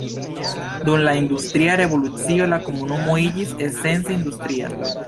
Dum la Industria Revolucio la komunumo iĝis esence industria.